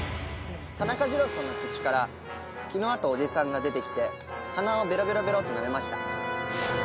田中次郎さんの口から昨日会ったおじいさんが出て来て鼻をベロベロベロと舐めました